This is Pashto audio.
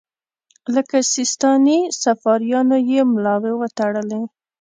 لکه سیستاني صفاریانو یې ملاوې وتړلې.